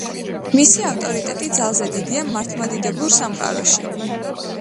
მისი ავტორიტეტი ძალზე დიდია მართლმადიდებლურ სამყაროში.